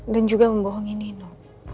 dan juga membohongi nino